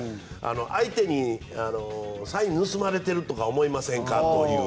相手にサインを盗まれているとか思いませんか？という。